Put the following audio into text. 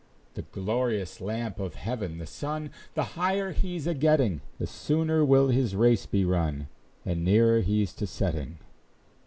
The glorious lamp of heaven, the sun, The higher he's a getting, The sooner will his race be run, And nearer he's to setting.